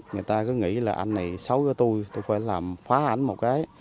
người ta cứ nghĩ là anh này xấu với tôi tôi phải làm phá ảnh một cái